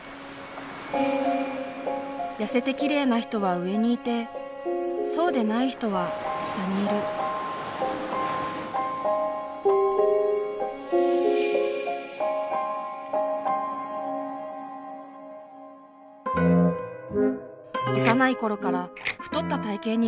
痩せてきれいな人は上にいてそうでない人は下にいる幼い頃から太った体型に悩んできた私。